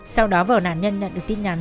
sau đó vào nạn nhân nhận được tin nhắn